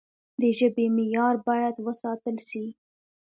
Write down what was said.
د ژبي معیار باید وساتل سي.